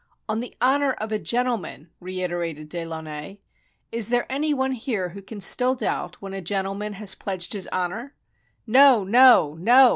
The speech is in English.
" On the honor of a gentleman," reiterated De Launay. "Is there any one here who can still doubt, when a gen tleman has pledged his honor?" "No, no, no!"